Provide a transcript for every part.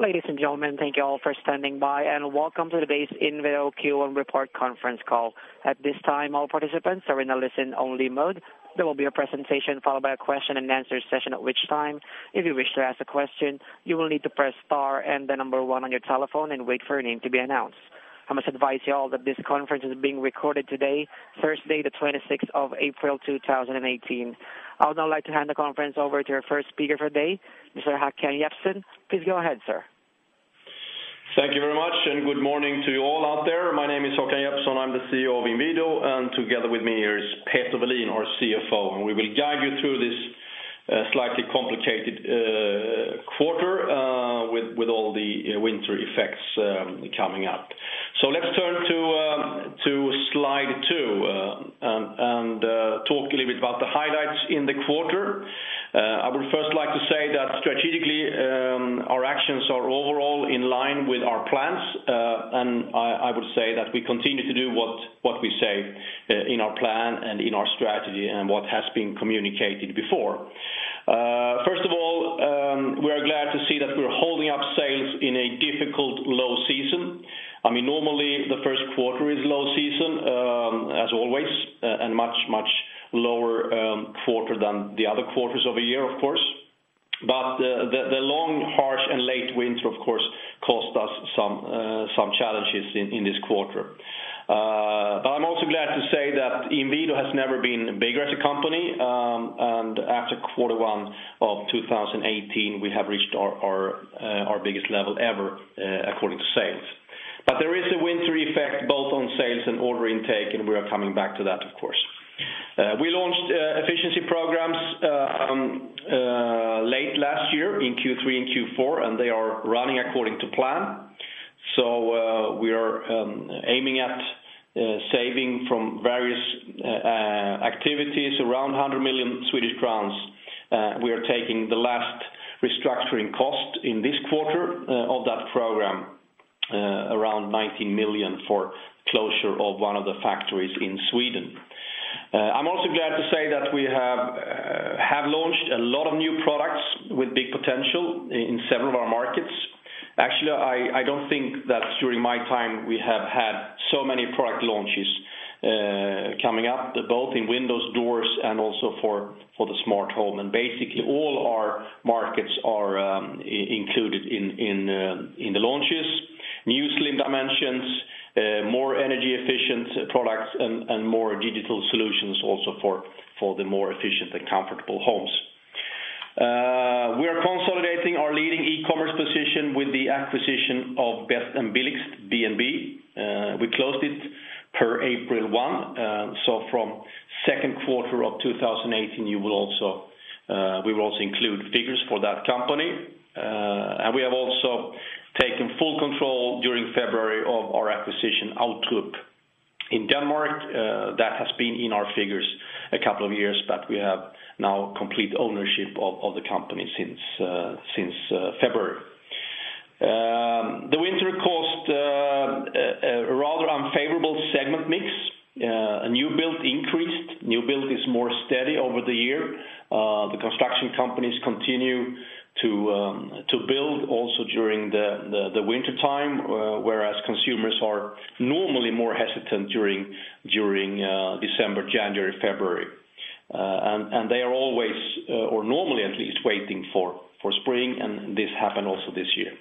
Ladies and gentlemen, thank you all for standing by, and welcome to the Inwido Q1 Report Conference Call. At this time, all participants are in a listen-only mode. There will be a presentation followed by a question-and-answer session, at which time, if you wish to ask a question, you will need to press star and the number 1 on your telephone and wait for your name to be announced. I must advise you all that this conference is being recorded today, Thursday, the 26th of April, 2018. I would now like to hand the conference over to our first speaker for today, Mr. Håkan Jeppsson. Please go ahead, sir. Thank you very much, and good morning to you all out there. My name is Håkan Jeppsson. I'm the CEO of Inwido, and together with me here is Peter Welin, our CFO, and we will guide you through this slightly complicated quarter with all the winter effects coming up. Let's turn to Slide 2. Talk a little bit about the highlights in the quarter. I would first like to say that strategically, our actions are overall in line with our plans, and I would say that we continue to do what we say in our plan and in our strategy and what has been communicated before. First of all, we are glad to see that we're holding up sales in a difficult low season. Normally, the first quarter is low season, as always, and much lower quarter than the other quarters of a year, of course. The long, harsh, and late winter, of course, cost us some challenges in this quarter. I'm also glad to say that Inwido has never been bigger as a company, and after Quarter One of 2018, we have reached our biggest level ever according to sales. There is a winter effect both on sales and order intake, and we are coming back to that, of course. We launched efficiency programs late last year in Q3 and Q4, and they are running according to plan. We are aiming at saving from various activities, around 100 million Swedish crowns. We are taking the last restructuring cost in this quarter of that program, around 19 million for closure of one of the factories in Sweden. I'm also glad to say that we have launched a lot of new products with big potential in several of our markets. Actually, I don't think that during my time, we have had so many product launches coming up, both in windows, doors, and also for the smart home, and basically all our markets are included in the launches. New slim dimensions, more energy-efficient products, and more digital solutions also for the more efficient and comfortable homes. We are consolidating our leading e-commerce position with the acquisition of Bedst & Billigst, B&B. We closed it per April 1. From the second quarter of 2018, we will also include figures for that company. We have also taken full control during February of our acquisition, Outline, in Denmark. That has been in our figures a couple of years, but we have now complete ownership of the company since February. The winter cost a rather unfavorable segment mix. New build increased. New build is more steady over the year. The construction companies continue to build also during the wintertime, whereas consumers are normally more hesitant during December, January, February. They are always, or normally at least, waiting for spring, and this happened also this year.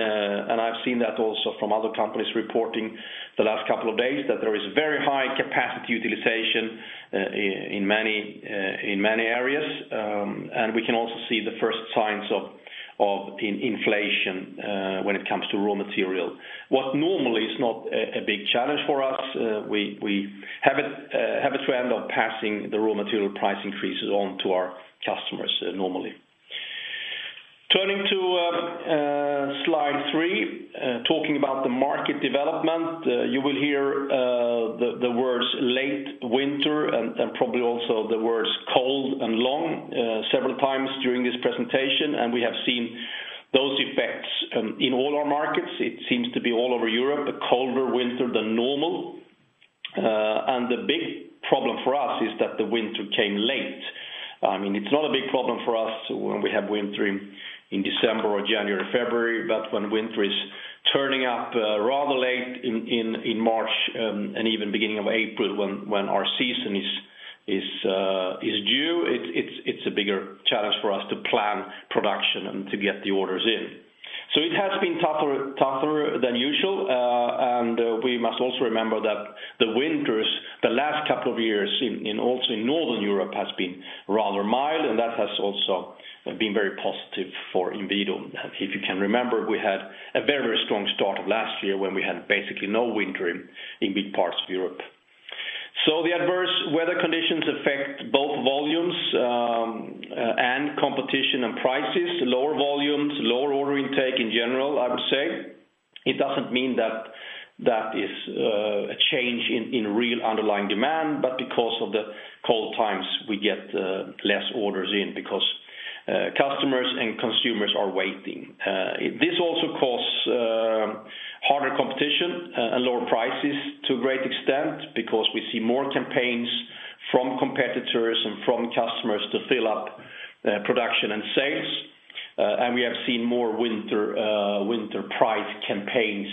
I've seen that also from other companies reporting the last couple of days that there is very high capacity utilization in many areas, and we can also see the first signs of inflation when it comes to raw material. What normally is not a big challenge for us. We have a trend of passing the raw material price increases on to our customers normally. Turning to Slide three, talking about the market development, you will hear the words late winter and probably also the words cold and long several times during this presentation, and we have seen those effects in all our markets. It seems to be all over Europe, a colder winter than normal. The big problem for us is that the winter came late. It's not a big problem for us when we have winter in December or January, February, but when winter is turning up rather late in March and even beginning of April when our season is due, it's a bigger challenge for us to plan production and to get the orders in. It has been tougher than usual, and we must also remember that the winters the last couple of years also in Northern Europe has been rather mild, and that has also been very positive for Inwido. If you can remember, we had a very strong start of last year when we had basically no winter in big parts of Europe. The adverse weather conditions affect both volumes and competition and prices, lower volumes, lower order intake in general, I would say. It doesn't mean that is a change in real underlying demand, but because of the cold times, we get less orders in because customers and consumers are waiting. This also causes harder competition and lower prices to a great extent because we see more campaigns from competitors and from customers to fill up production and sales. We have seen more winter price campaigns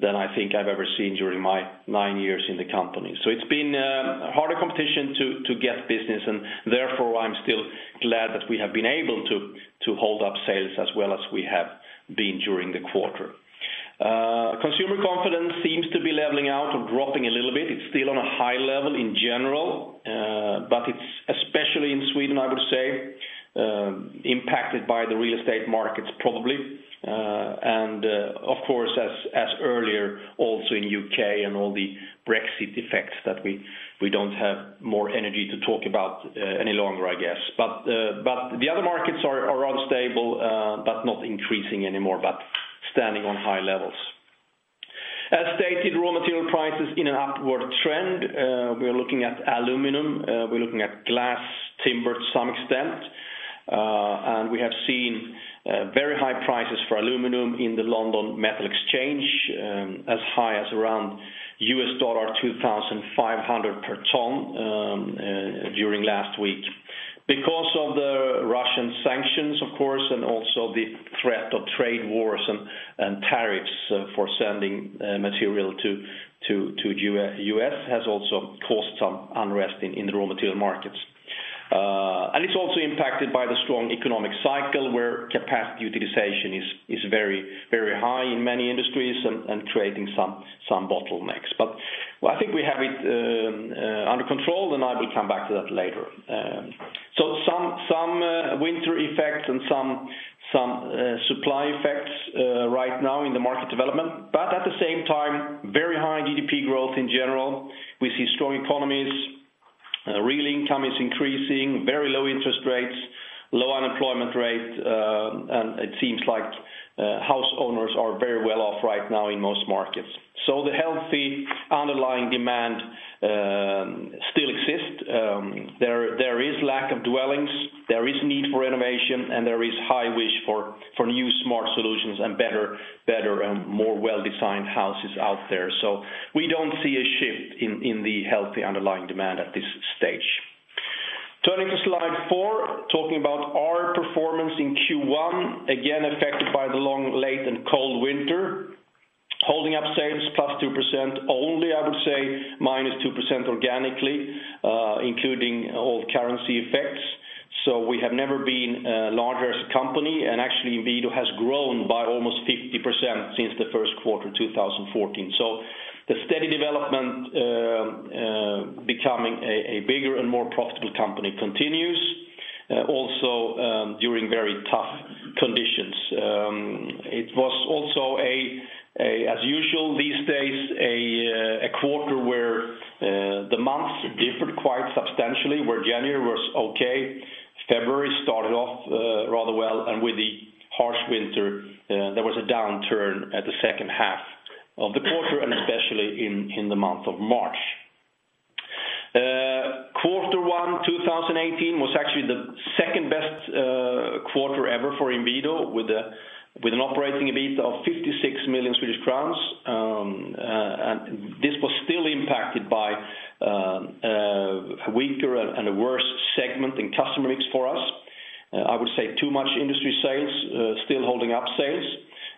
than I think I've ever seen during my nine years in the company. It's been a harder competition to get business, and therefore, I'm still glad that we have been able to hold up sales as well as we have been during the quarter. Consumer confidence seems to be leveling out or dropping a little bit. It's still on a high level in general, but it's especially in Sweden, I would say, impacted by the real estate markets, probably. Of course, as earlier, also in U.K. and all the Brexit effects that we don't have more energy to talk about any longer, I guess. The other markets are unstable, but not increasing anymore, but standing on high levels. As stated, raw material prices in an upward trend. We're looking at aluminum, we're looking at glass, timber to some extent. We have seen very high prices for aluminum in the London Metal Exchange, as high as around US$2,500 per ton during last week. Because of the Russian sanctions, of course, and also the threat of trade wars and tariffs for sending material to U.S. has also caused some unrest in the raw material markets. It's also impacted by the strong economic cycle, where capacity utilization is very high in many industries and creating some bottlenecks. I think we have it under control, and I will come back to that later. Some winter effects and some supply effects right now in the market development. At the same time, very high GDP growth in general. We see strong economies, real income is increasing, very low interest rates, low unemployment rate, and it seems like house owners are very well off right now in most markets. The healthy underlying demand still exists. There is lack of dwellings, there is need for renovation, and there is high wish for new smart solutions and better and more well-designed houses out there. We don't see a shift in the healthy underlying demand at this stage. Turning to slide 4, talking about our performance in Q1, again affected by the long, late, and cold winter, holding up sales +2% only, I would say, -2% organically, including all currency effects. We have never been larger as a company, and actually, Inwido has grown by almost 50% since the first quarter 2014. The steady development becoming a bigger and more profitable company continues, also during very tough conditions. It was also, as usual these days, a quarter where the months differed quite substantially, where January was okay, February started off rather well, and with the harsh winter, there was a downturn at the second half of the quarter, and especially in the month of March. Q1 2018 was actually the second-best quarter ever for Inwido with an operating EBIT of SEK 56 million. This was still impacted by a weaker and a worse segment in customer mix for us. I would say too much industry sales still holding up sales,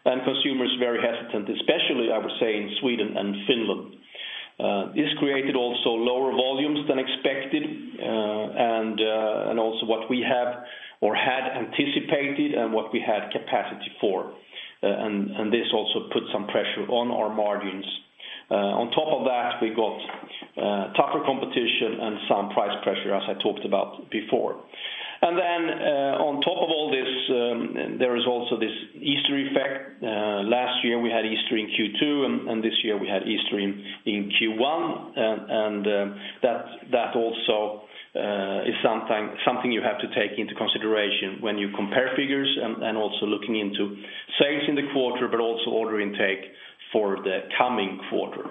and consumers very hesitant, especially, I would say, in Sweden and Finland. This created also lower volumes than expected, and also what we have or had anticipated and what we had capacity for. This also put some pressure on our margins. On top of that, we got tougher competition and some price pressure, as I talked about before. Then on top of all this, there is also this Easter effect. Last year, we had Easter in Q2, and this year we had Easter in Q1. That also is something you have to take into consideration when you compare figures and also looking into sales in the quarter, but also order intake for the coming quarter.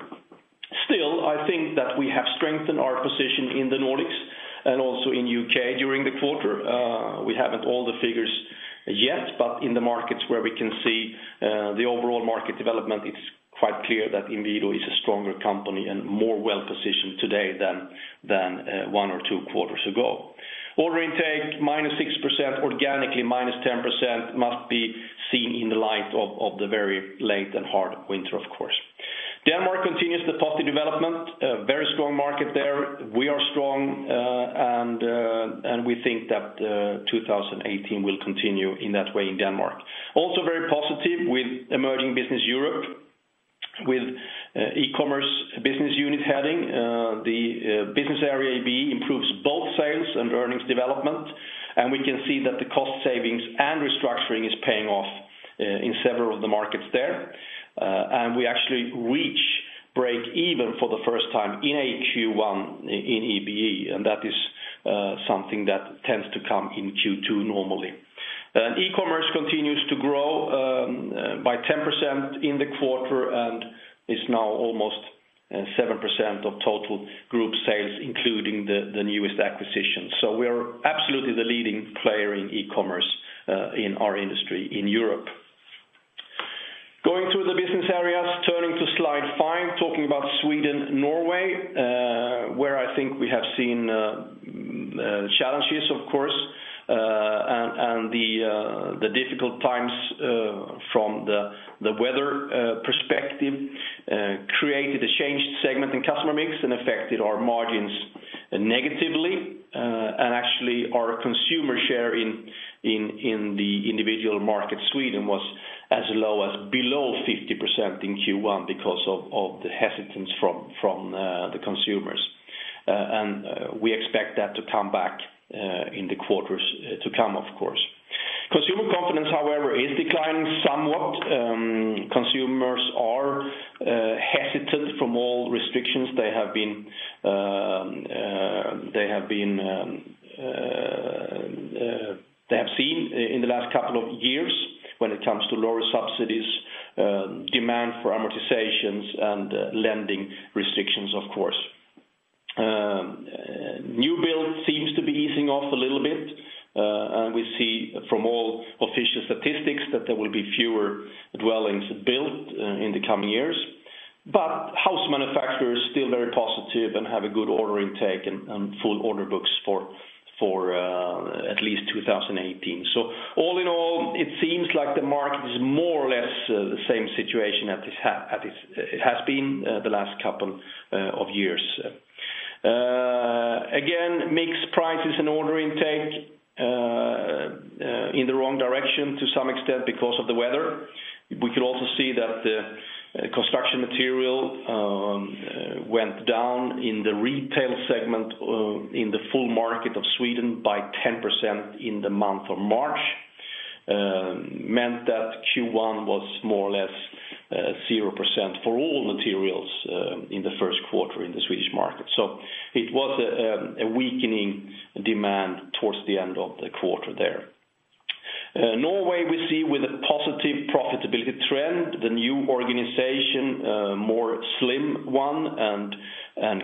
Still, I think that we have strengthened our position in the Nordics and also in U.K. during the quarter. We haven't all the figures yet, but in the markets where we can see the overall market development, it's quite clear that Inwido is a stronger company and more well-positioned today than one or two quarters ago. Order intake, -6%, organically -10%, must be seen in the light of the very late and hard winter, of course. Denmark continues the positive development. A very strong market there. We are strong and we think that 2018 will continue in that way in Denmark. Also very positive with Emerging Business Europe, with e-commerce business unit heading, the business area EBE improves both sales and earnings development. We can see that the cost savings and restructuring is paying off in several of the markets there. We actually reach break even for the first time in a Q1 in EBE, and that is something that tends to come in Q2 normally. e-commerce continues to grow by 10% in the quarter and is now almost 7% of total group sales, including the newest acquisition. We are absolutely the leading player in e-commerce in our industry in Europe. Going through the business areas, turning to slide five, talking about Sweden and Norway, where I think we have seen challenges, of course. The difficult times from the weather perspective created a changed segment in customer mix and affected our margins negatively. Actually, our consumer share in the individual market, Sweden, was as low as below 50% in Q1 because of the hesitance from the consumers. We expect that to come back in the quarters to come, of course. Consumer confidence, however, is declining somewhat. Consumers are hesitant from all restrictions they have seen in the last couple of years when it comes to lower subsidies, demand for amortizations, and lending restrictions, of course. New build seems to be easing off a little bit. We see from all official statistics that there will be fewer dwellings built in the coming years. House manufacturers are still very positive and have a good order intake and full order books for at least 2018. All in all, it seems like the market is more or less the same situation as it has been the last couple of years. Again, mixed prices and order intake in the wrong direction to some extent because of the weather. We could also see that the construction material went down in the retail segment in the full market of Sweden by 10% in the month of March. Meant that Q1 was more or less 0% for all materials in the first quarter in the Swedish market. It was a weakening demand towards the end of the quarter there. Norway we see with a positive profitability trend, the new organization, a more slim one.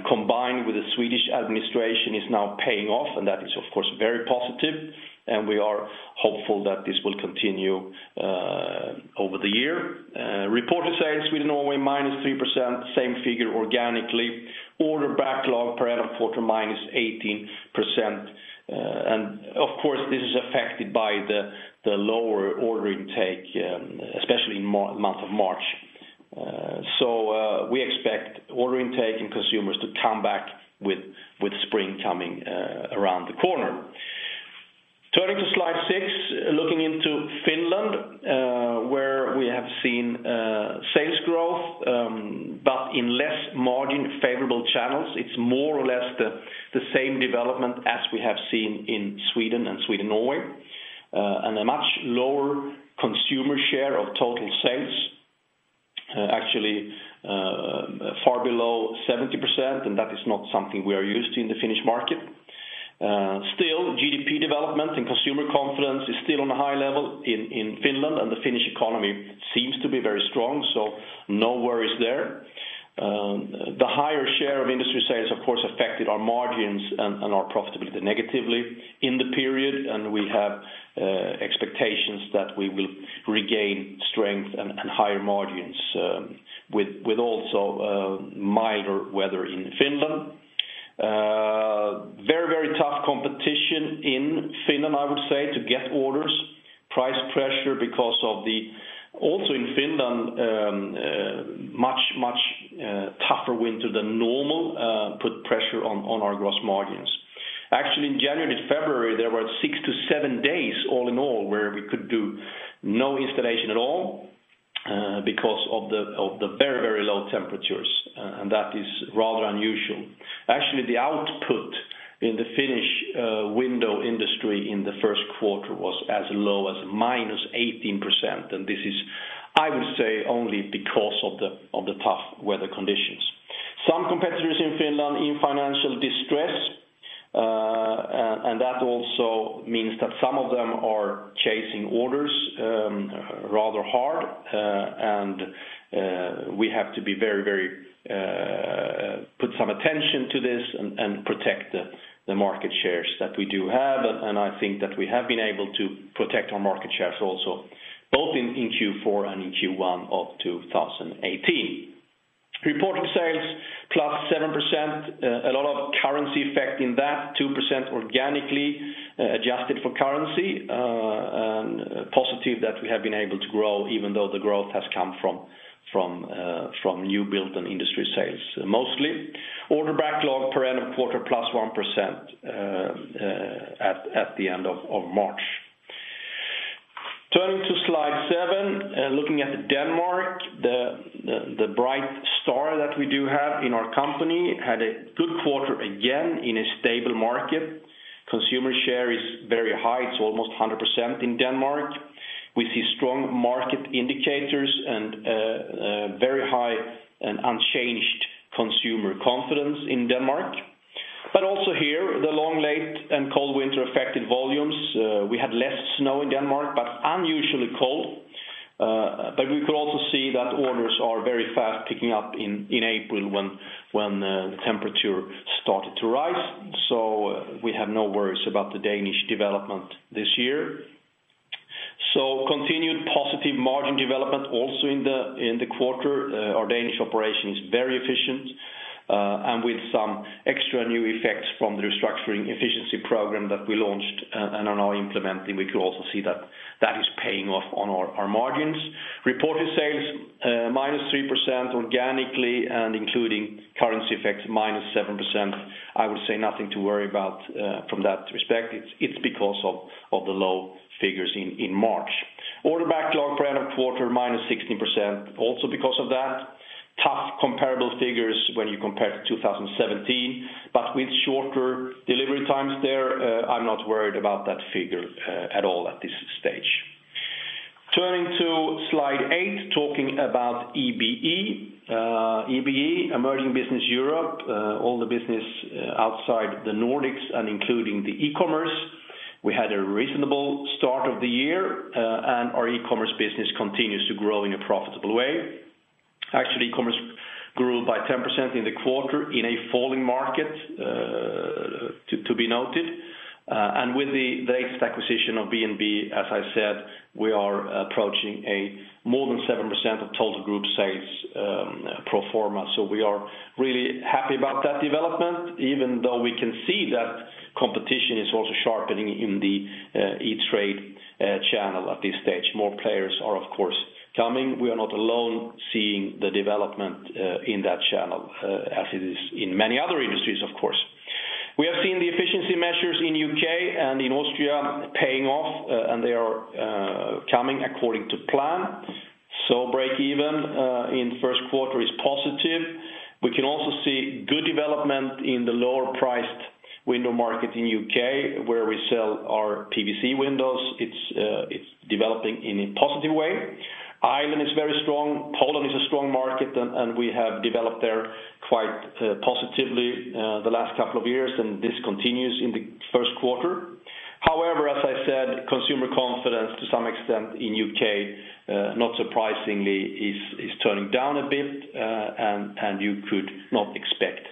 Combined with the Swedish administration, is now paying off. That is, of course, very positive. We are hopeful that this will continue over the year. Reported sales Sweden/Norway, -3%, same figure organically. Order backlog per annum quarter, -18%. Of course, this is affected by the lower order intake, especially in the month of March. We expect order intake and consumers to come back with spring coming around the corner. Turning to slide six, looking into Finland, where we have seen sales growth, but in less margin favorable channels. It's more or less the same development as we have seen in Sweden and Sweden/Norway, a much lower consumer share of total sales, actually far below 70%, that is not something we are used to in the Finnish market. Still, GDP development and consumer confidence is still on a high level in Finland, the Finnish economy seems to be very strong, no worries there. The higher share of industry sales, of course, affected our margins and our profitability negatively in the period, we have expectations that we will regain strength and higher margins with also milder weather in Finland. Very tough competition in Finland, I would say, to get orders. Price pressure because of the, also in Finland, much tougher winter than normal put pressure on our gross margins. Actually, in January, February, there were six to seven days all in all where we could do no installation at all because of the very low temperatures, that is rather unusual. Actually, the output in the Finnish window industry in the first quarter was as low as minus 18%, this is, I would say, only because of the tough weather conditions. Some competitors in Finland in financial distress, that also means that some of them are chasing orders rather hard. We have to put some attention to this and protect the market shares that we do have. I think that we have been able to protect our market shares also, both in Q4 and in Q1 of 2018. Reported sales, plus 7%. A lot of currency effect in that, 2% organically adjusted for currency. Positive that we have been able to grow even though the growth has come from new build and industry sales mostly. Order backlog per annum quarter, plus 1% at the end of March. Turning to slide seven, looking at Denmark, the bright star that we do have in our company, had a good quarter again in a stable market. Consumer share is very high. It's almost 100% in Denmark. We see strong market indicators and very high and unchanged consumer confidence in Denmark. Also here, the long, late, and cold winter affected volumes. We had less snow in Denmark, but unusually cold. We could also see that orders are very fast picking up in April when the temperature started to rise. We have no worries about the Danish development this year. Continued positive margin development also in the quarter. Our Danish operation is very efficient, with some extra new effects from the restructuring efficiency program that we launched and are now implementing, we could also see that that is paying off on our margins. Reported sales, minus 3% organically and including currency effects, minus 7%. I would say nothing to worry about from that respect. It's because of the low figures in March. Order backlog prior to quarter, minus 16%, also because of that. Tough comparable figures when you compare to 2017, with shorter delivery times there, I'm not worried about that figure at all at this stage. Turning to slide eight, talking about EBE. EBE, Emerging Business Europe, all the business outside the Nordics and including the e-commerce. We had a reasonable start of the year, our e-commerce business continues to grow in a profitable way. Actually, e-commerce grew by 10% in the quarter in a falling market, to be noted. With the latest acquisition of B&B, as I said, we are approaching a more than 7% of total group sales pro forma. We are really happy about that development, even though we can see that competition is also sharpening in the e-trade channel at this stage. More players are, of course, coming. We are not alone seeing the development in that channel, as it is in many other industries, of course. We have seen the efficiency measures in U.K. and in Austria paying off, and they are coming according to plan. Breakeven in the first quarter is positive. We can also see good development in the lower-priced window market in U.K., where we sell our PVC windows. It's developing in a positive way. Ireland is very strong. Poland is a strong market, and we have developed there quite positively the last couple of years, and this continues in the first quarter. However, as I said, consumer confidence to some extent in U.K., not surprisingly, is turning down a bit, and you could not expect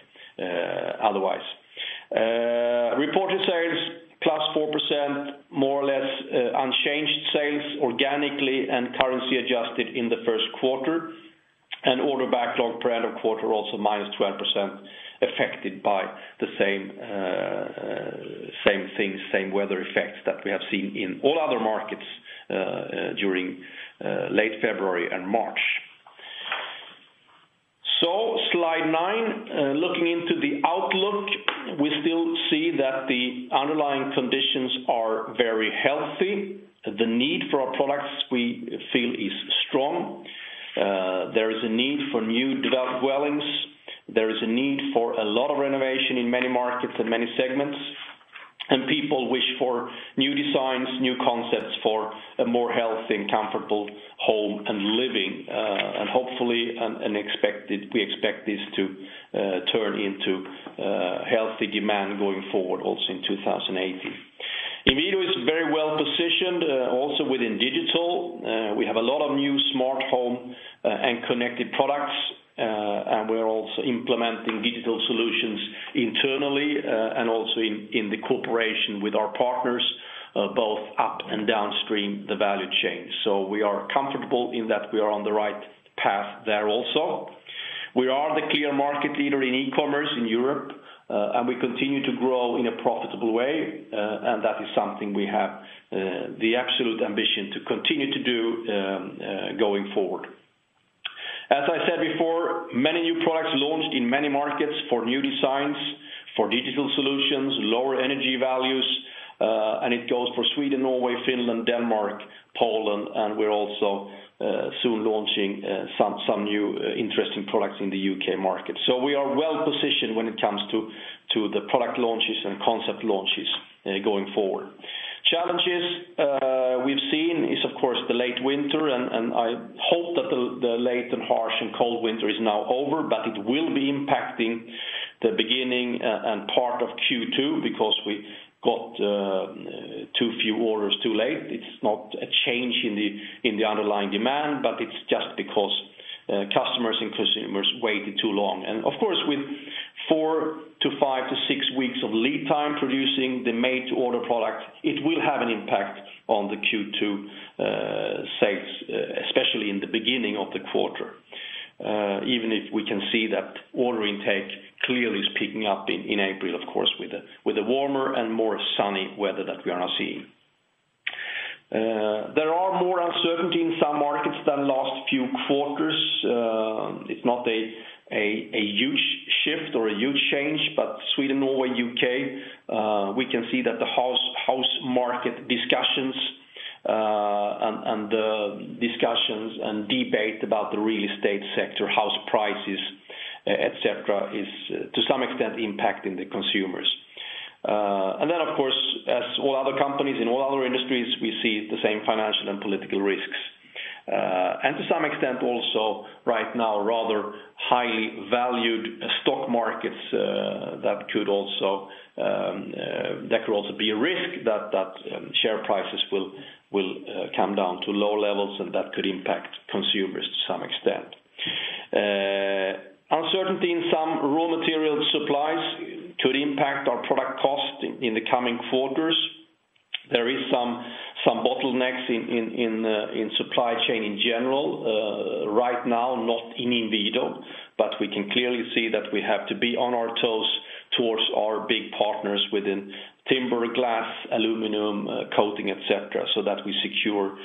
otherwise. Reported sales, plus 4%, more or less unchanged sales organically and currency adjusted in the first quarter. Order backlog per end of quarter, also minus 12%, affected by the same things, same weather effects that we have seen in all other markets during late February and March. Slide nine, looking into the outlook, we still see that the underlying conditions are very healthy. The need for our products we feel is strong. There is a need for new developed dwellings. There is a need for a lot of renovation in many markets and many segments. People wish for new designs, new concepts for a more healthy and comfortable home and living. Hopefully, we expect this to turn into healthy demand going forward also in 2018. Inwido is very well-positioned also within digital. We have a lot of new smart home and connected products, and we are also implementing digital solutions internally and also in the cooperation with our partners, both up and downstream the value chain. We are comfortable in that we are on the right path there also. We are the clear market leader in e-commerce in Europe, and we continue to grow in a profitable way, and that is something we have the absolute ambition to continue to do going forward. As I said before, many new products launched in many markets for new designs, for digital solutions, lower energy values. It goes for Sweden, Norway, Finland, Denmark, Poland, and we are also soon launching some new interesting products in the U.K. market. We are well-positioned when it comes to the product launches and concept launches going forward. Challenges we've seen is, of course, the late winter. I hope that the late and harsh and cold winter is now over, but it will be impacting the beginning and part of Q2 because we got too few orders too late. It's not a change in the underlying demand, but it's just because customers and consumers waited too long. Of course, with four to five to six weeks of lead time producing the made-to-order product, it will have an impact on the Q2 sales, especially in the beginning of the quarter, even if we can see that order intake clearly is picking up in April, of course, with the warmer and more sunny weather that we are now seeing. There are more uncertainty in some markets than last few quarters. It's not a huge shift or a huge change, but Sweden, Norway, U.K., we can see that the house market discussions and the discussions and debate about the real estate sector, house prices, et cetera, is to some extent impacting the consumers. Of course, as all other companies in all other industries, we see the same financial and political risks. To some extent also right now, rather highly valued stock markets that could also be a risk that share prices will come down to low levels, and that could impact consumers to some extent. Uncertainty in some raw material supplies could impact our product cost in the coming quarters. There is some bottlenecks in supply chain in general right now, not in Inwido, but we can clearly see that we have to be on our toes towards our big partners within timber, glass, aluminum, coating, et cetera, so that we secure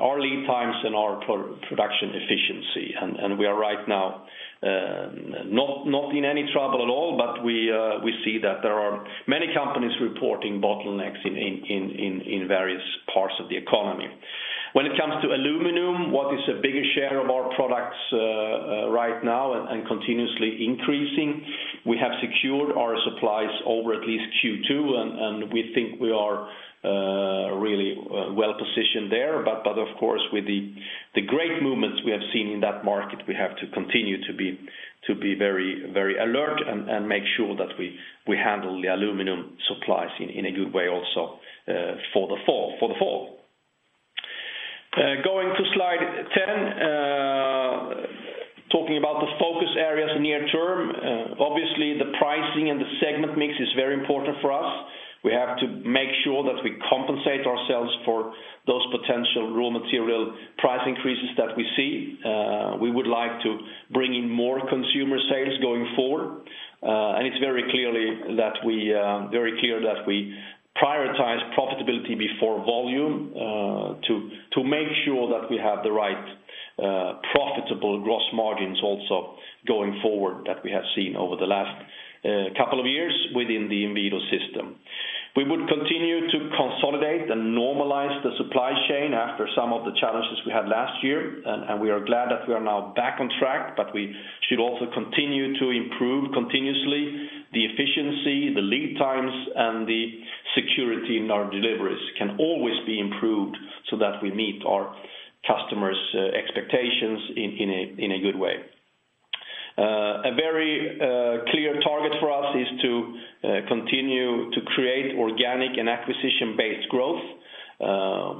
our lead times and our production efficiency. We are right now not in any trouble at all, but we see that there are many companies reporting bottlenecks in various parts of the economy. When it comes to aluminum, what is a bigger share of our products right now and continuously increasing, we have secured our supplies over at least Q2, and we think we are really well-positioned there. Of course, with the great movements we have seen in that market, we have to continue to be very alert and make sure that we handle the aluminum supplies in a good way also for the fall. Going to slide 10, talking about the focus areas near term. Obviously, the pricing and the segment mix is very important for us. We have to make sure that we compensate ourselves for those potential raw material price increases that we see. We would like to bring in more consumer sales going forward. It's very clear that we prioritize profitability before volume, to make sure that we have the right profitable gross margins also going forward that we have seen over the last couple of years within the Inwido system. We would continue to consolidate and normalize the supply chain after some of the challenges we had last year. We are glad that we are now back on track, but we should also continue to improve continuously the efficiency, the lead times, and the security in our deliveries can always be improved so that we meet our customers' expectations in a good way. A very clear target for us is to continue to create organic and acquisition-based growth.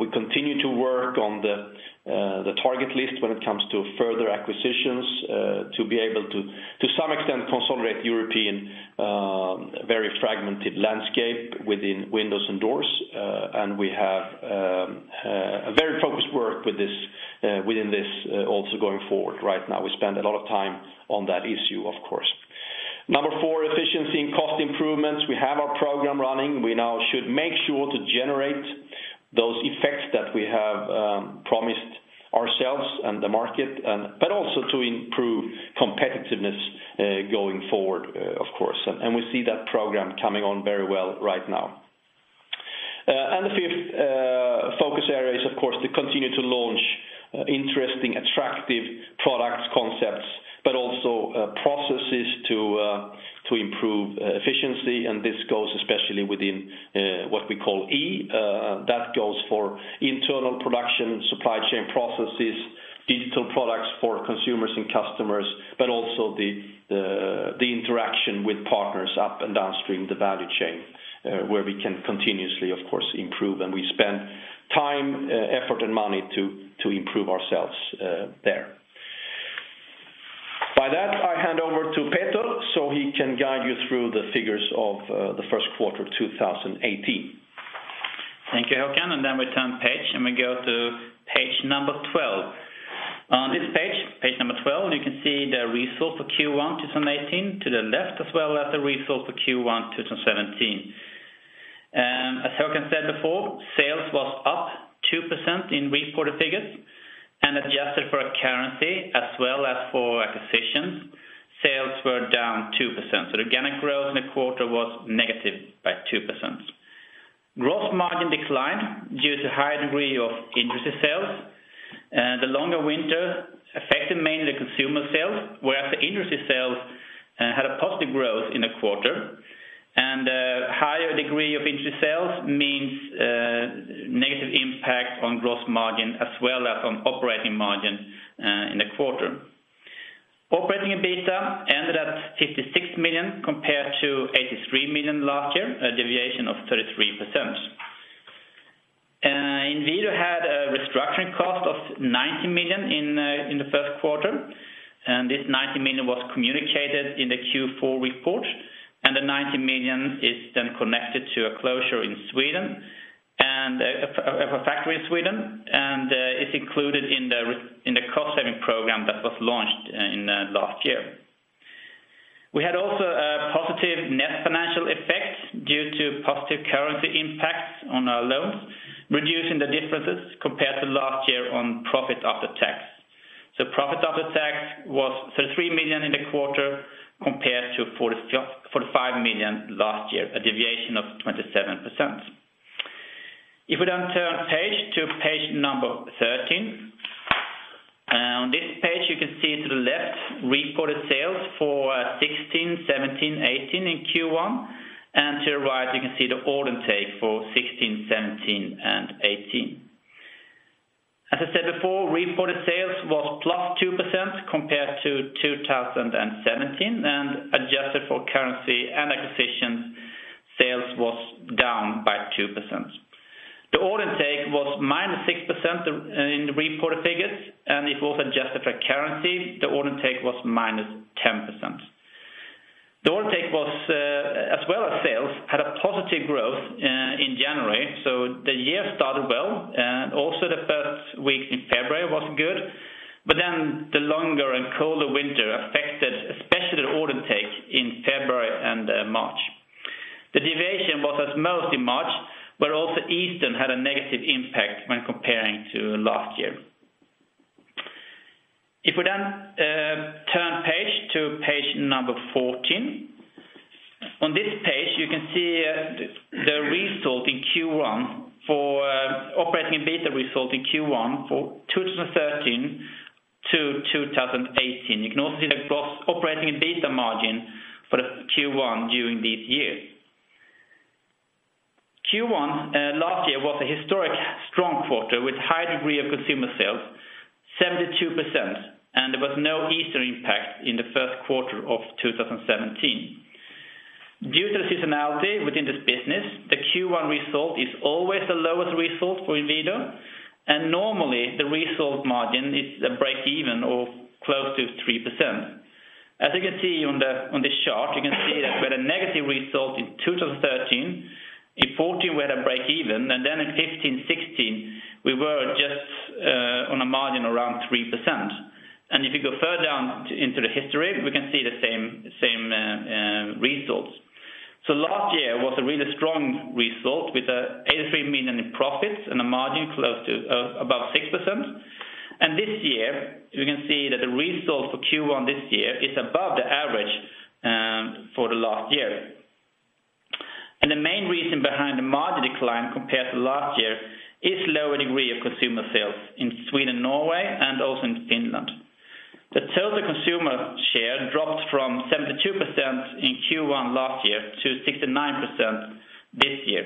We continue to work on the target list when it comes to further acquisitions, to be able to some extent consolidate European very fragmented landscape within windows and doors. We have a very focused work within this also going forward right now. We spend a lot of time on that issue, of course. Number four, efficiency and cost improvements. We have our program running. We now should make sure to generate those effects that we have promised ourselves and the market, but also to improve competitiveness going forward, of course. We see that program coming on very well right now. The fifth focus area is, of course, to continue to launch interesting, attractive product concepts, but also processes to improve efficiency, and this goes especially within what we call E. That goes for internal production, supply chain processes, digital products for consumers and customers, but also the interaction with partners up and downstream the value chain, where we can continuously, of course, improve, and we spend time, effort, and money to improve ourselves there. By that, I hand over to Peter so he can guide you through the figures of the first quarter 2018. Thank you, Håkan. Then we turn page, and we go to page number 12. On this page number 12, you can see the results for Q1 2018 to the left, as well as the results for Q1 2017. As Håkan said before, sales was up 2% in reported figures, adjusted for currency as well as for acquisitions, sales were down 2%. So organic growth in the quarter was negative by 2%. Gross margin declined due to higher degree of intra-group sales. The longer winter affected mainly consumer sales, whereas the industry sales had a positive growth in the quarter. A higher degree of intra-group sales means negative impact on gross margin as well as on operating margin in the quarter. Operating EBITDA ended at 56 million compared to 83 million last year, a deviation of 33%. Inwido had a restructuring cost of 90 million in the first quarter. This 19 million was communicated in the Q4 report. The 90 million is then connected to a factory in Sweden, and it's included in the cost-saving program that was launched in last year. We had also a positive net financial effect due to positive currency impacts on our loans, reducing the differences compared to last year on profit after tax. Profit after tax was 33 million in the quarter compared to 45 million last year, a deviation of 27%. If we then turn page to page number 13 Reported sales for 2016, 2017, 2018 in Q1. To the right, you can see the order take for 2016, 2017, and 2018. As I said before, reported sales was +2% compared to 2017, adjusted for currency and acquisitions, sales was down by 2%. The order take was -6% in the reported figures. If we adjust it for currency, the order take was -10%. The order take, as well as sales, had a positive growth in January. The year started well. Also the first week in February was good. The longer and colder winter affected especially the order take in February and March. The deviation was at most in March. Easter had a negative impact when comparing to last year. If we turn page to page 14. On this page, you can see the operating EBITDA result in Q1 for 2013-2018. You can also see the gross operating EBITDA margin for the Q1 during these years. Q1 last year was a historic strong quarter with high degree of consumer sales, 72%. There was no Easter impact in the first quarter of 2017. Due to the seasonality within this business, the Q1 result is always the lowest result for Inwido. Normally, the result margin is a break even or close to 3%. As you can see on this chart, you can see that we had a negative result in 2013. In 2014, we had a break even. In 2015, 2016, we were just on a margin around 3%. If you go further down into the history, we can see the same results. Last year was a really strong result with 83 million in profits and a margin above 6%. This year, you can see that the result for Q1 this year is above the average for the last year. The main reason behind the margin decline compared to last year is lower degree of consumer sales in Sweden, Norway, and also in Finland. The total consumer share dropped from 72% in Q1 last year to 69% this year.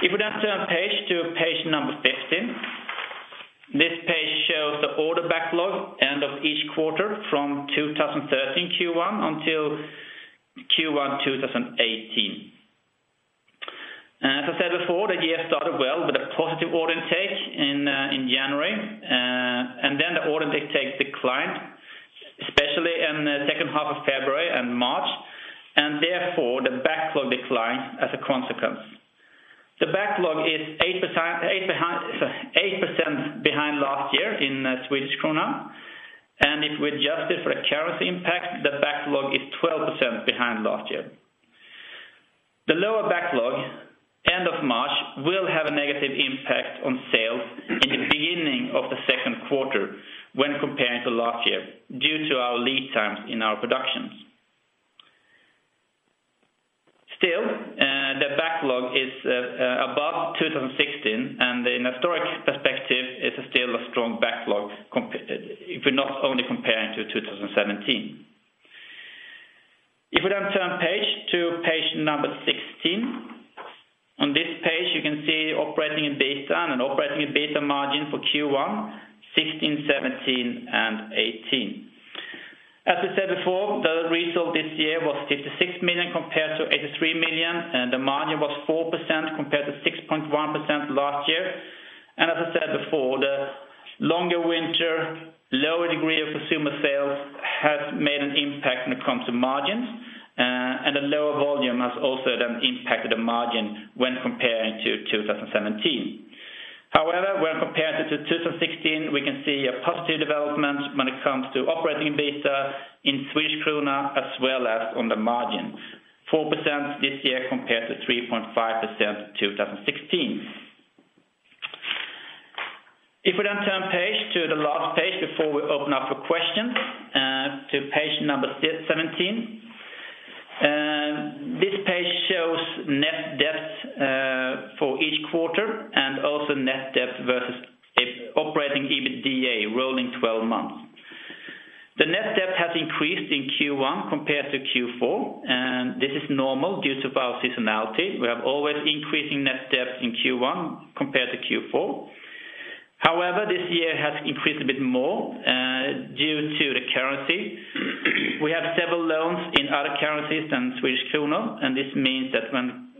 If we turn page to page 15. This page shows the order backlog end of each quarter from 2013 Q1 until Q1 2018. As I said before, the year started well with a positive order take in January. The order take declined, especially in the second half of February and March. The backlog declined as a consequence. The backlog is 8% behind last year in SEK. If we adjust it for the currency impact, the backlog is 12% behind last year. The lower backlog end of March will have a negative impact on sales in the beginning of the second quarter when comparing to last year due to our lead times in our productions. Still, the backlog is above 2016. In a historic perspective, it is still a strong backlog if we are not only comparing to 2017. If we turn page to page 16. On this page, you can see operating EBITDA and operating EBITDA margin for Q1 2016, 2017 and 2018. As I said before, the result this year was 56 million compared to 83 million. The margin was 4% compared to 6.1% last year. As I said before, the longer winter, lower degree of consumer sales has made an impact when it comes to margins. The lower volume has also impacted the margin when comparing to 2017. However, when compared to 2016, we can see a positive development when it comes to operating EBITDA in SEK as well as on the margin, 4% this year compared to 3.5% 2016. If we then turn page to the last page before we open up for questions, to page number 17. This page shows net debts for each quarter and also net debt versus operating EBITDA rolling 12 months. The net debt has increased in Q1 compared to Q4, and this is normal due to our seasonality. We have always increasing net debt in Q1 compared to Q4. However, this year has increased a bit more due to the currency. We have several loans in other currencies than Swedish krona, and this means that when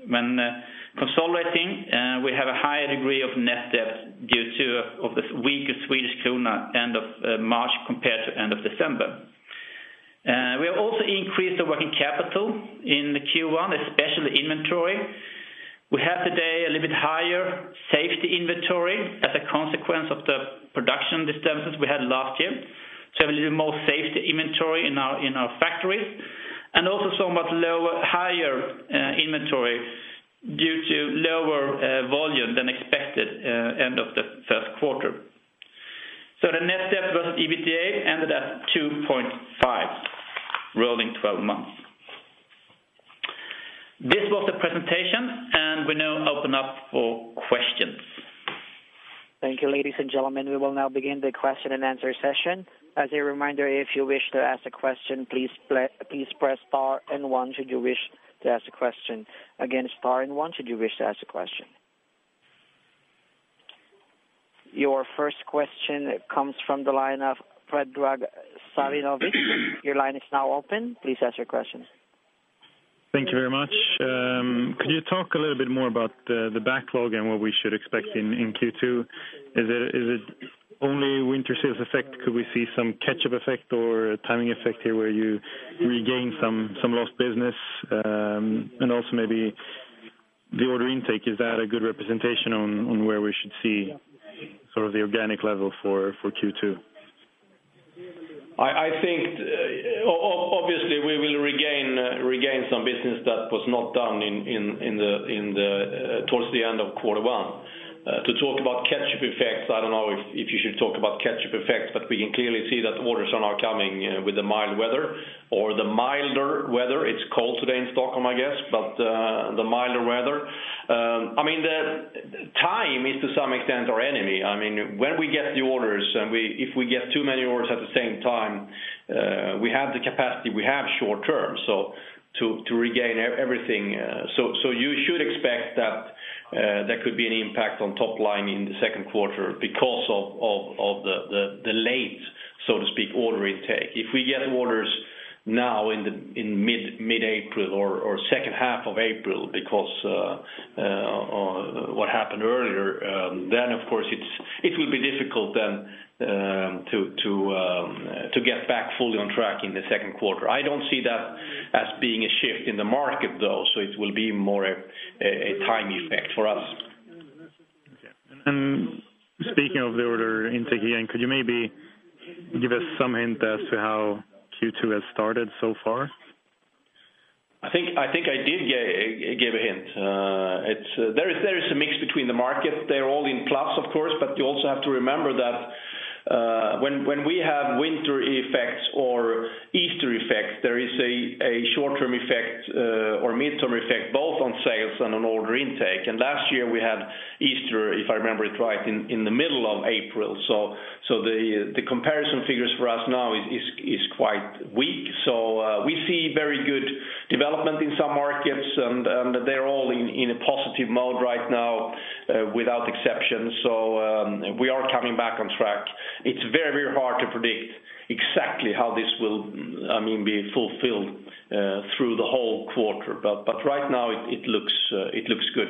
consolidating, we have a higher degree of net debt due to the weaker Swedish krona end of March compared to end of December. We have also increased the working capital in the Q1, especially inventory. We have today a little bit higher safety inventory as a consequence of the production disturbances we had last year. We have a little more safety inventory in our factories, and also somewhat higher inventory due to lower volume than expected end of the first quarter. The net debt versus EBITDA ended at 2.5 rolling 12 months. Thank you, ladies and gentlemen. We will now begin the question and answer session. As a reminder, if you wish to ask a question, please press star and one should you wish to ask a question. Again, star and one should you wish to ask a question. Your first question comes from the line of Fredrik Meuller. Your line is now open. Please ask your question. Thank you very much. Could you talk a little bit more about the backlog and what we should expect in Q2? Is it only winter sales effect? Could we see some catch-up effect or timing effect here where you regain some lost business? Also maybe the order intake, is that a good representation on where we should see sort of the organic level for Q2? Obviously we will regain some business that was not done towards the end of Q1. To talk about catch-up effects, I don't know if you should talk about catch-up effects, but we can clearly see that orders are now coming with the mild weather or the milder weather. It's cold today in Stockholm, I guess, but the milder weather. Time is to some extent our enemy. When we get the orders, and if we get too many orders at the same time, we have the capacity we have short term, so to regain everything. You should expect that there could be an impact on top line in Q2 because of the late, so to speak, order intake. If we get orders now in mid April or second half of April, because, what happened earlier, then of course it will be difficult then to get back fully on track in Q2. I don't see that as being a shift in the market, though. It will be more a time effect for us. Okay. Speaking of the order intake again, could you maybe give us some hint as to how Q2 has started so far? I think I did give a hint. There is a mix between the market. They're all in plus, of course, but you also have to remember that, when we have winter effects or Easter effects, there is a short-term effect, or midterm effect, both on sales and on order intake. Last year we had Easter, if I remember it right, in the middle of April. The comparison figures for us now is quite weak. We see very good development in some markets, and they're all in a positive mode right now, without exception. We are coming back on track. It's very hard to predict exactly how this will be fulfilled through the whole quarter. Right now it looks good.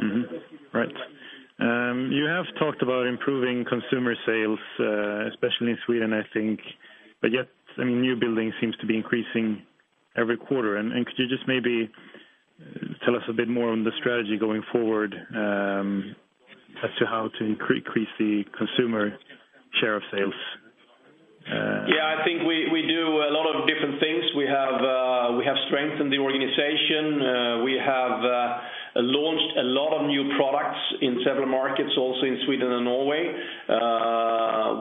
Mm-hmm. Right. You have talked about improving consumer sales, especially in Sweden, I think. Yet, new building seems to be increasing every quarter. Could you just maybe tell us a bit more on the strategy going forward, as to how to increase the consumer share of sales? Yeah, I think we do a lot of different things. We have strengthened the organization. We have launched a lot of new products in several markets, also in Sweden and Norway.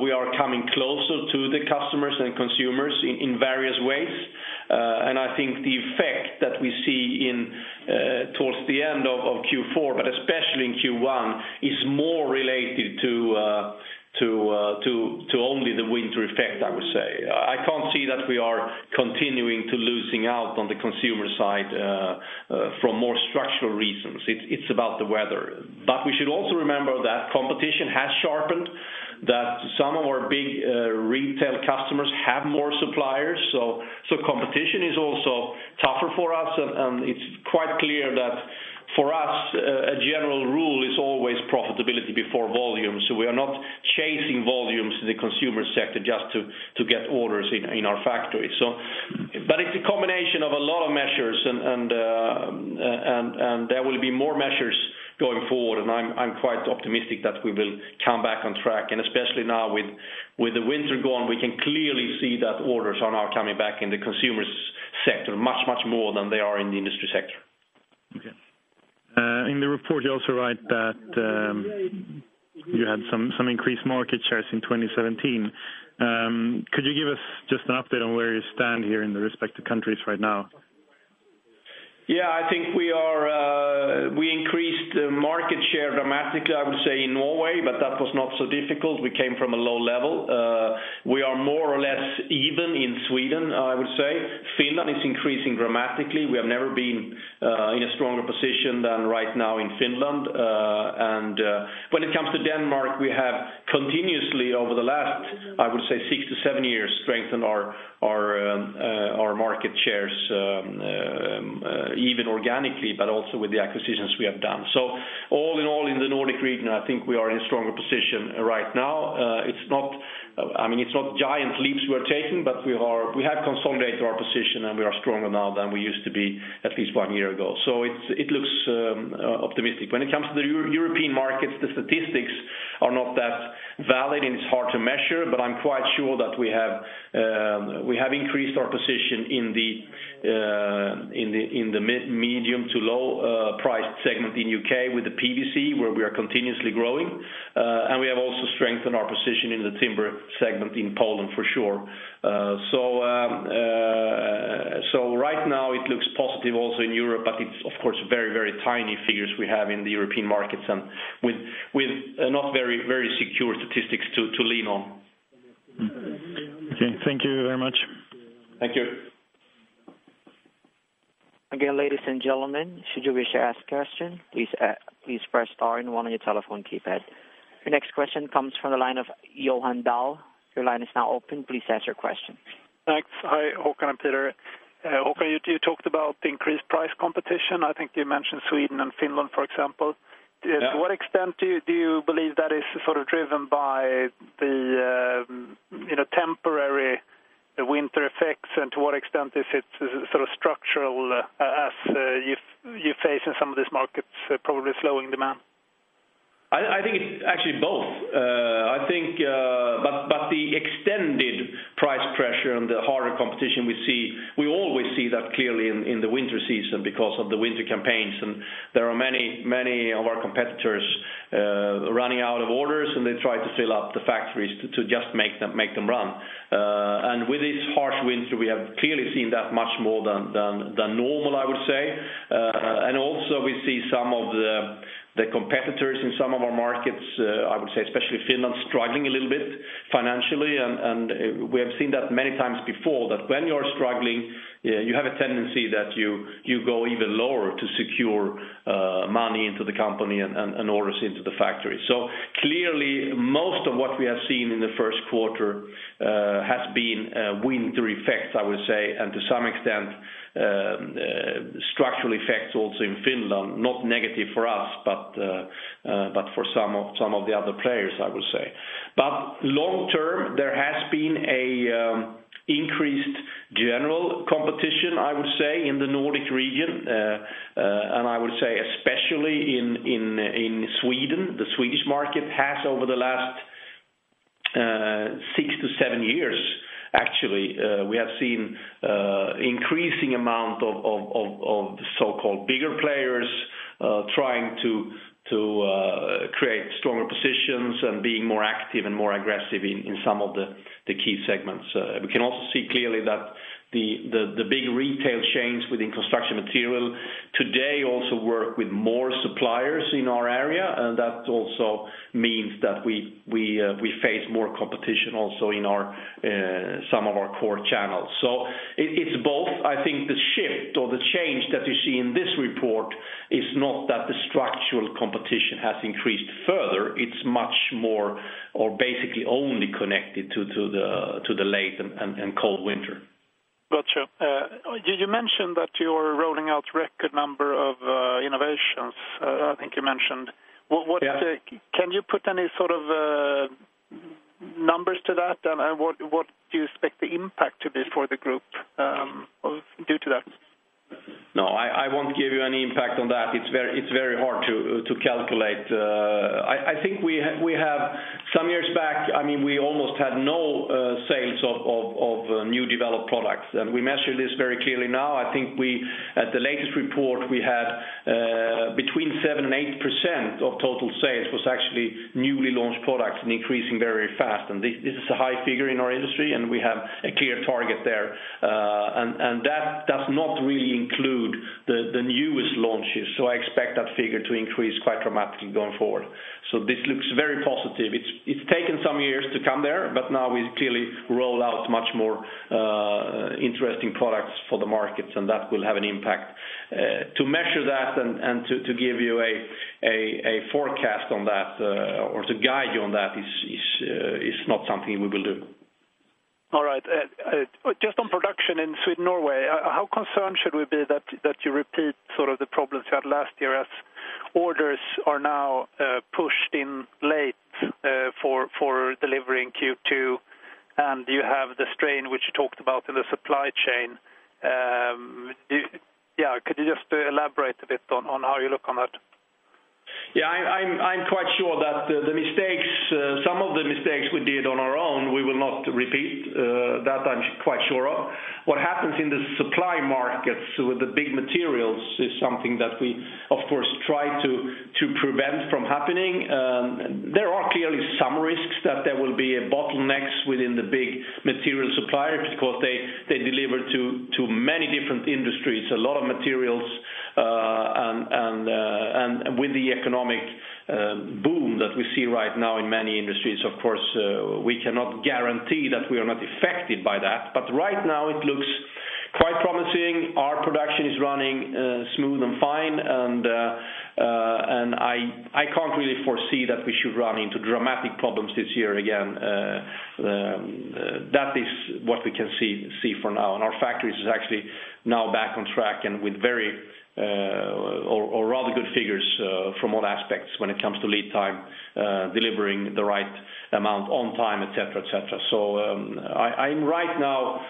We are coming closer to the customers and consumers in various ways. I think the effect that we see towards the end of Q4, but especially in Q1, is more related to only the winter effect, I would say. I can't see that we are continuing to losing out on the consumer side for more structural reasons. It's about the weather. We should also remember that competition has sharpened, that some of our big retail customers have more suppliers. Competition is also tougher for us, and it's quite clear that for us, a general rule is always profitability before volume. We are not chasing volumes in the consumer sector just to get orders in our factory. It's a combination of a lot of measures and there will be more measures going forward, and I'm quite optimistic that we will come back on track. Especially now with the winter gone, we can clearly see that orders are now coming back in the consumer sector much more than they are in the industry sector. Okay. In the report you also write that you had some increased market shares in 2017. Could you give us just an update on where you stand here in the respective countries right now? Yeah, I think we increased market share dramatically, I would say, in Norway, that was not so difficult. We came from a low level. We are more or less even in Sweden, I would say. Finland is increasing dramatically. We have never been in a stronger position than right now in Finland. When it comes to Denmark, we have continuously over the last, I would say six to seven years, strengthened our market shares even organically, but also with the acquisitions we have done. All in all, in the Nordic region, I think we are in a stronger position right now. It's not giant leaps we're taking, but we have consolidated our position, and we are stronger now than we used to be at least one year ago. It looks optimistic. When it comes to the European markets, the statistics are not that valid, it's hard to measure, I'm quite sure that we have increased our position in the medium to low price segment in U.K. with the PVC, where we are continuously growing. Our position in the timber segment in Poland, for sure. Right now it looks positive also in Europe, it's, of course, very tiny figures we have in the European markets, and with not very secure statistics to lean on. Okay, thank you very much. Thank you. Again, ladies and gentlemen, should you wish to ask a question, please press star and one on your telephone keypad. Your next question comes from the line of Johan Dahl. Your line is now open. Please ask your question. Thanks. Hi Håkan and Peter. Håkan, you talked about the increased price competition. I think you mentioned Sweden and Finland, for example. Yeah. To what extent do you believe that is driven by the temporary winter effects, to what extent is it structural as you face in some of these markets, probably slowing demand? I think it's actually both. The extended price pressure and the harder competition we see, we always see that clearly in the winter season because of the winter campaigns, there are many of our competitors running out of orders, and they try to fill up the factories to just make them run. With this harsh winter, we have clearly seen that much more than normal, I would say. Also we see some of the competitors in some of our markets, I would say especially Finland, struggling a little bit financially. We have seen that many times before, that when you're struggling, you have a tendency that you go even lower to secure money into the company and orders into the factory. Clearly, most of what we have seen in the first quarter has been winter effects, I would say, and to some extent, structural effects also in Finland, not negative for us, but for some of the other players, I would say. Long term, there has been increased general competition, I would say, in the Nordic region, and I would say especially in Sweden. The Swedish market has over the last six to seven years, actually, we have seen increasing amount of the so-called bigger players trying to create stronger positions and being more active and more aggressive in some of the key segments. We can also see clearly that the big retail chains within construction material today also work with more suppliers in our area, and that also means that we face more competition also in some of our core channels. It's both. I think the shift or the change that you see in this report is not that the structural competition has increased further, it's much more or basically only connected to the late and cold winter. Got you. You mentioned that you're rolling out record number of innovations, I think you mentioned. Yeah. Can you put any sort of numbers to that, and what do you expect the impact to be for the group due to that? No, I won't give you any impact on that. It's very hard to calculate. I think we have some years back, we almost had no sales of new developed products, and we measure this very clearly now. I think at the latest report we had between 7% and 8% of total sales was actually newly launched products and increasing very fast. This is a high figure in our industry, and we have a clear target there. That does not really include the newest launches. I expect that figure to increase quite dramatically going forward. This looks very positive. It's taken some years to come there, but now we clearly roll out much more interesting products for the markets, and that will have an impact. To measure that and to give you a forecast on that or to guide you on that is not something we will do. All right. Just on production in Sweden, Norway, how concerned should we be that you repeat the problems you had last year as orders are now pushed in late for delivery in Q2, and you have the strain which you talked about in the supply chain? Could you just elaborate a bit on how you look on that? Yeah, I'm quite sure that some of the mistakes we did on our own, we will not repeat. That I'm quite sure of. What happens in the supply markets with the big materials is something that we, of course, try to prevent from happening. There are clearly some risks that there will be bottlenecks within the big material suppliers because they deliver to many different industries, a lot of materials, and with the economic boom that we see right now in many industries, of course, we cannot guarantee that we are not affected by that. Right now it looks quite promising. Our production is running smooth and fine, and I can't really foresee that we should run into dramatic problems this year again. That is what we can see for now, and our factories is actually now back on track and with very, or rather good figures from all aspects when it comes to lead time, delivering the right amount on time, et cetera. I'm right now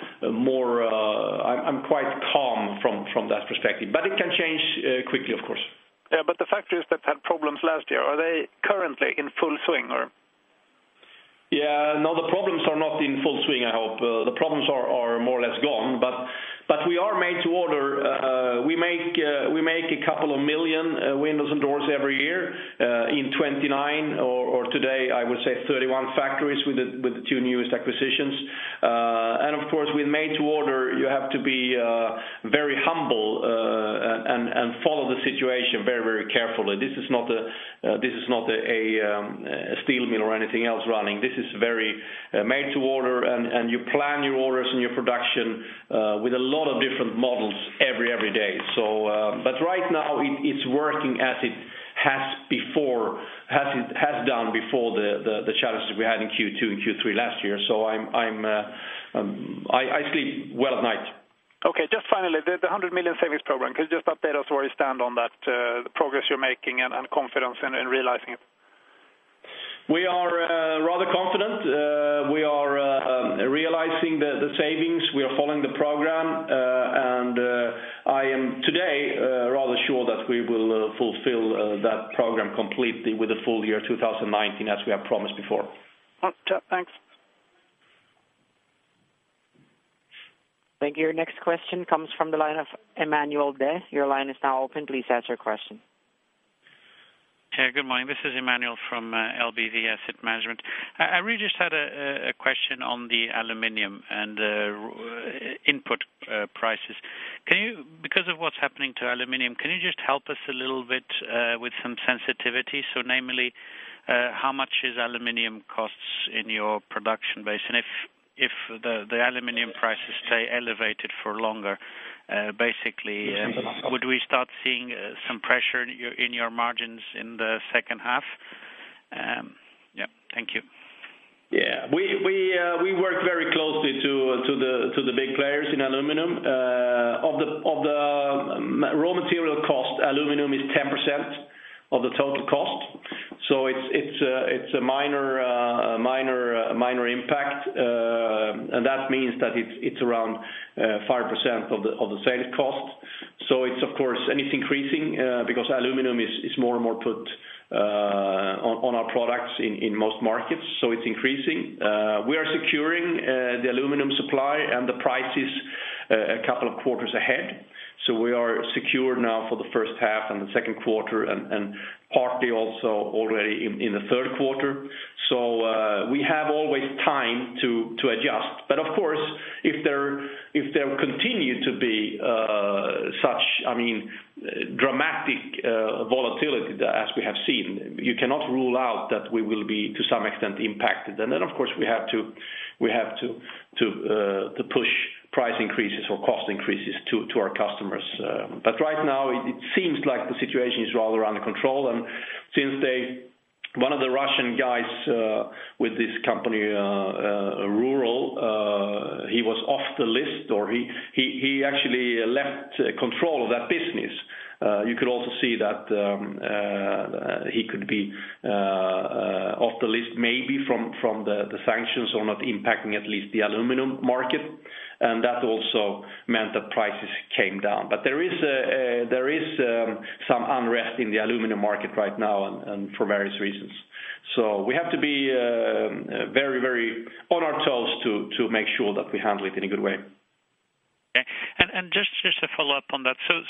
quite calm from that perspective. It can change quickly, of course. The factories that had problems last year, are they currently in full swing, or? The problems are not in full swing, I hope. The problems are more or less gone. We are made to order a couple of million windows and doors every year in 29, or today, I would say 31 factories with the two newest acquisitions. Of course, with made to order, you have to be very humble and follow the situation very carefully. This is not a steel mill or anything else running. This is very made to order, and you plan your orders and your production with a lot of different models every day. Right now it's working as it has done before the challenges we had in Q2 and Q3 last year. I sleep well at night. Okay. Just finally, the 100 million savings program. Can you just update us where you stand on that, the progress you're making and confidence in realizing it? We are rather confident. We are realizing the savings. We are following the program, I am today rather sure that we will fulfill that program completely with the full year 2019 as we have promised before. Okay, thanks. Thank you. Your next question comes from the line of Emmanuel de. Your line is now open. Please ask your question. Good morning. This is Emmanuel from LBV Asset Management. I really just had a question on the aluminum and input prices. Because of what's happening to aluminum, can you just help us a little bit with some sensitivity? Namely, how much is aluminum costs in your production Inwido? If the aluminum prices stay elevated for longer, basically would we start seeing some pressure in your margins in the second half? Thank you. Yeah, we work very closely to the big players in aluminum. Of the raw material cost, aluminum is 10% of the total cost. It's a minor impact. That means that it's around 5% of the sales cost. It's of course, and it's increasing because aluminum is more and more put on our products in most markets, so it's increasing. We are securing the aluminum supply and the prices a couple of quarters ahead. We are secure now for the first half and the second quarter and partly also already in the third quarter. We have always time to adjust. Of course, if there continue to be such dramatic volatility as we have seen, you cannot rule out that we will be, to some extent, impacted. Of course we have to push price increases or cost increases to our customers. Right now it seems like the situation is rather under control. Since one of the Russian guys with this company, Rusal, he was off the list, or he actually left control of that business. You could also see that he could be off the list maybe from the sanctions or not impacting at least the aluminum market. That also meant that prices came down. There is some unrest in the aluminum market right now and for various reasons. We have to be very on our toes to make sure that we handle it in a good way. Okay. Just to follow up on that. Since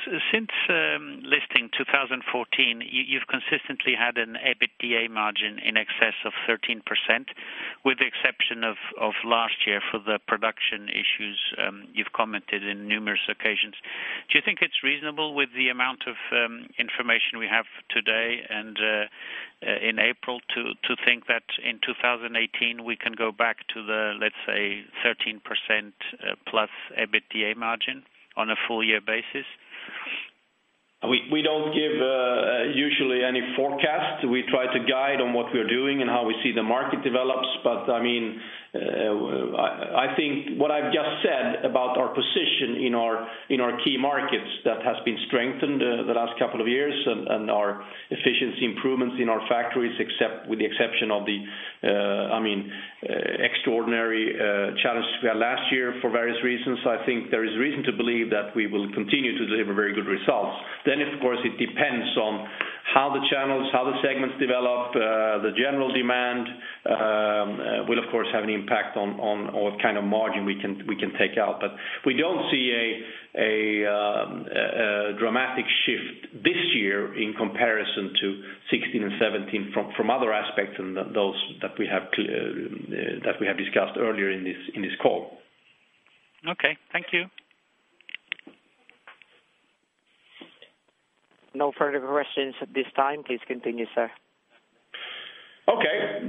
listing 2014, you've consistently had an EBITDA margin in excess of 13%, with the exception of last year for the production issues you've commented in numerous occasions. Do you think it's reasonable with the amount of information we have today and in April to think that in 2018 we can go back to the, let's say, 13% plus EBITDA margin on a full year basis? We don't give usually any forecast. We try to guide on what we're doing and how we see the market develops. I think what I've just said about our position in our key markets, that has been strengthened the last couple of years, and our efficiency improvements in our factories with the exception of the extraordinary challenge we had last year for various reasons, I think there is reason to believe that we will continue to deliver very good results. Of course, it depends on how the channels, how the segments develop. The general demand will of course have an impact on what kind of margin we can take out. We don't see a dramatic shift this year in comparison to 2016 and 2017 from other aspects than those that we have discussed earlier in this call. Okay. Thank you. No further questions at this time. Please continue, sir. Okay.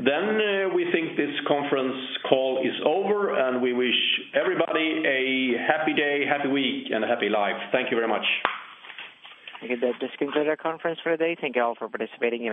We think this conference call is over, and we wish everybody a happy day, happy week, and a happy life. Thank you very much. Okay, that just concludes our conference for the day. Thank you all for participating.